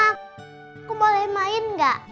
aku boleh main gak